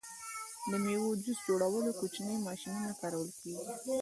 د میوو د جوس جوړولو کوچنۍ ماشینونه کارول کیږي.